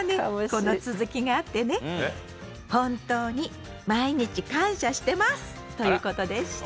この続きがあってね「本当に毎日感謝してます」ということでした。